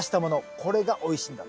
これがおいしいんだって。